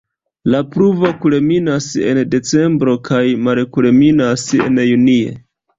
La pluvo kulminas en decembro kaj malkulminas en junie.